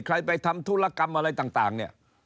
ใครไปทำธุรกรรมอะไรต่างเนี่ย